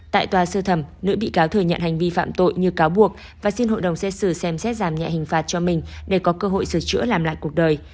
tại tòa sơ thẩm nữ bị cáo thừa nhận hành vi phạm tội như cáo buộc và xin hội đồng xét xử xem xét giảm nhẹ hình phạt cho mình để có cơ hội sửa chữa làm lại cuộc đời